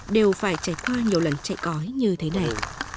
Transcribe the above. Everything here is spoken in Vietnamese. đều phải trải qua nhiều lần chạy cói như thế này